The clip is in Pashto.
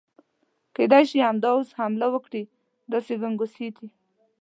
کېدای شي همدا اوس حمله وکړي، داسې ګنګوسې دي.